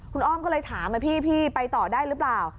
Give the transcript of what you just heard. คุณอ้อมก็เลยถามพี่ไปต่อได้หรือเปล่า